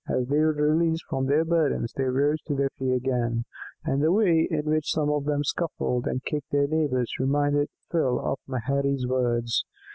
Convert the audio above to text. As they were released from their burdens they rose to their feet again, and the way in which some of them scuffled and kicked their neighbours reminded Phil of Maherry's words.